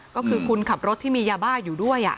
ก็คือคุณขับรถที่มียาบ้าอยู่ด้วย